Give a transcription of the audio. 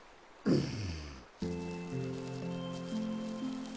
うん？